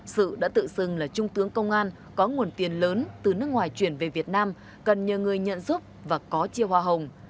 sự đã tự xưng là trung tướng công an có nguồn tiền lớn từ nước ngoài chuyển về việt nam cần nhờ người nhận giúp và có chia hoa hồng